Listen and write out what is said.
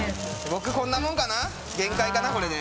僕はこんなもんかな。